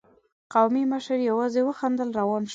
قومي مشر يواځې وخندل، روان شو.